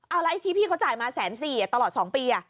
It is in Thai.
เอาล่ะที่พี่เขาจ่ายมา๑๔๐๐๐๐ตลอด๒ปี